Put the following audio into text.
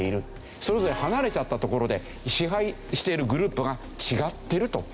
それぞれ離れちゃった所で支配しているグループが違っているという事なんですよね。